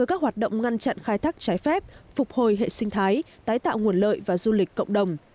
các hoạt động bảo tồn sẽ ảnh hưởng trực tiếp đến cuộc sống của người dân